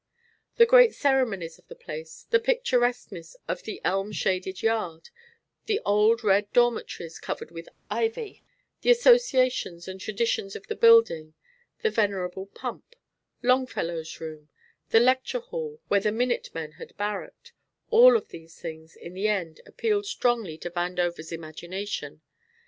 The great ceremonies of the place, the picturesqueness of the elm shaded Yard, the old red dormitories covered with ivy, the associations and traditions of the buildings, the venerable pump, Longfellow's room, the lecture hall where the minute men had barracked, all of these things, in the end, appealed strongly to Vandover's imagination.